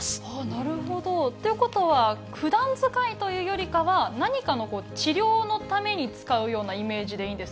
なるほど。ということは、ふだん使いというよりかは、何かの治療のために使うようなイはい。